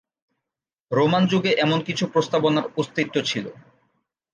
Roman যুগে এমন কিছু প্রস্তাবনার অস্তিত্ব ছিল।